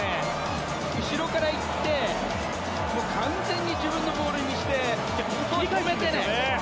後ろから行って完全に自分のボールにして止めてからね。